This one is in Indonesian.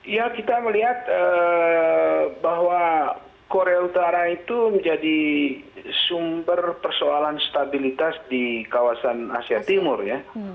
ya kita melihat bahwa korea utara itu menjadi sumber persoalan stabilitas di kawasan asia timur ya